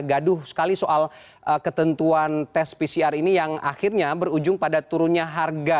gaduh sekali soal ketentuan tes pcr ini yang akhirnya berujung pada turunnya harga